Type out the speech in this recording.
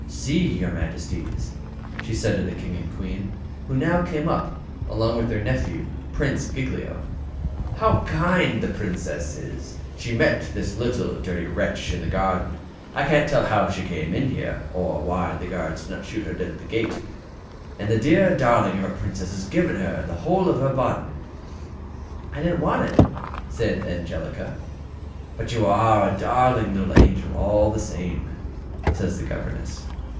See, your Majesties," she said to the King and Queen, who now came up, along with their nephew, Prince Giglio, "how kind the Princess is! She met this little dirty wretch in the garden I can't tell how she came in here, or why the guards did not shoot her dead at the gate! and the dear darling of a Princess has given her the whole of her bun!" "I didn't want it," said Angelica. "But you are a darling little angel all the same," says the governess.